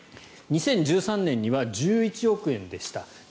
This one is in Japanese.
２０１３年には１１億円でした。